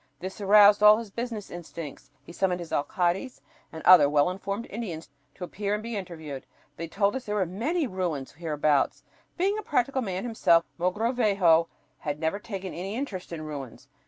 This aroused all his business instincts. He summoned his alcaldes and other well informed Indians to appear and be interviewed. They told us there were "many ruins" hereabouts! Being a practical man himself, Mogrovejo had never taken any interest in ruins.